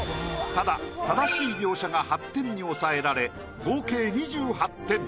ただ正しい描写が８点に抑えられ合計２８点。